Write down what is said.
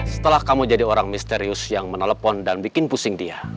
setelah kamu jadi orang misterius yang menelpon dan bikin pusing dia